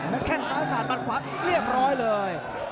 แม่แข้งสาขาศาสตร์มันขวาเรียบร้อยเลย